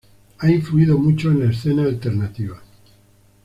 Han influido mucho en la escena "alternativa".